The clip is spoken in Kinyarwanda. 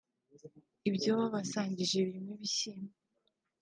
Ibyo babasangije birimo ibishyimbo